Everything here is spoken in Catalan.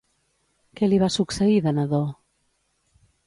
Què li va succeir de nadó?